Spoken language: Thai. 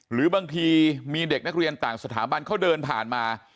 หรือบางทีมีเด็กนักเรียนต่างสถาบันเขาเดินผ่านมา